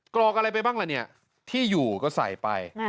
กรอกอะไรไปบ้างล่ะเนี่ยที่อยู่ก็ใส่ไป